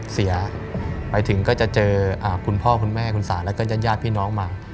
ไปถึงก็จะเจอคุณพ่อคุณแม่คุณสาแล้วก็ญาติพี่น้องมา